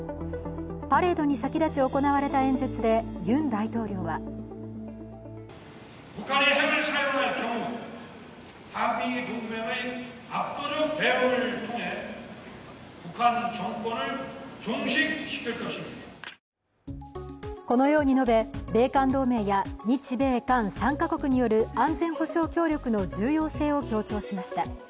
パレードに先立ち行われた演説でユン大統領はこのように述べ、米韓同盟や日米韓３か国による安全保障協力の重要性を強調しました。